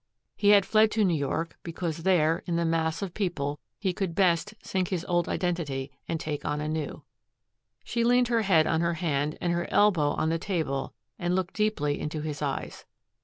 He had fled to New York because there, in the mass of people, he could best sink his old identity and take on a new. She leaned her head on her hand and her elbow on the table and looked deeply into his eyes.